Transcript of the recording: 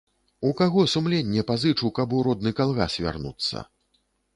У каго сумленне пазычу, каб у родны калгас вярнуцца?